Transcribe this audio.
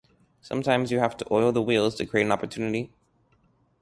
Some times you have to oil the wheels to create an opportunity.